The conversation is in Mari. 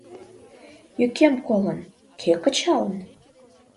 Йӱкем колын, кӧ кычалын?